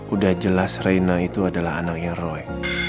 udah jelas rina itu adalah anaknya roy